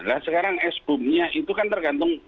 nah sekarang es boom nya itu kan tergantung